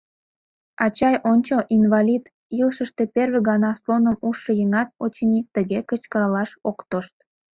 — Ачай, ончо, инвалид, — илышыште первый гана слоным ужшо еҥат, очыни, тыге кычкыралаш ок тошт.